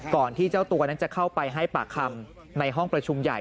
ที่เจ้าตัวนั้นจะเข้าไปให้ปากคำในห้องประชุมใหญ่